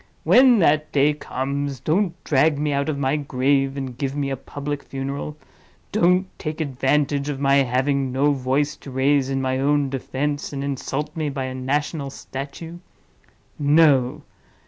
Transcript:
When that day comes, don't drag me out of my grave and give me a public funeral; don't take advantage of my having no voice to raise in my own defense, and insult me by a national statue. No!